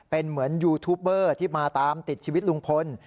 เป็นเหมือนยูทูปเบอร์ที่มาตามติดชีวิตลุงพล